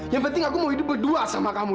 yang penting aku mau hidup berdua sama kamu